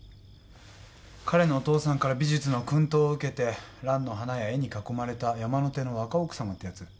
彼のお父さんから美術の薫陶を受けてランの花や絵に囲まれた山の手の若奥さまってやつ？